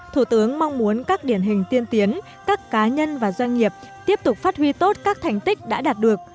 thủ tướng mong muốn các điển hình tiên tiến các cá nhân và doanh nghiệp tiếp tục phát huy tốt các thành tích đã đạt được